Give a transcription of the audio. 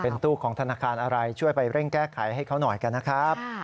ตู้ของธนาคารอะไรช่วยไปเร่งแก้ไขให้เขาหน่อยกันนะครับ